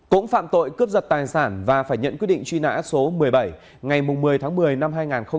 cũng phạm tội cướp giật tài sản và phải nhận quyết định truy nã số một mươi bảy ngày một mươi tháng một mươi năm hai nghìn một mươi